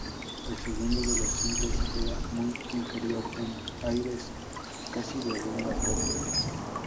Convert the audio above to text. El segundo de los singles era muy inferior, en aires casi de "rumba-pop".